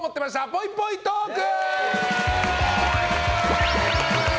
ぽいぽいトーク！